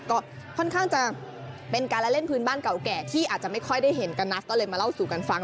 ก็ค่อนข้างจะเป็นการละเล่นพื้นบ้านเก่าแก่ที่อาจจะไม่ค่อยได้เห็นกันนะก็เลยมาเล่าสู่กันฟัง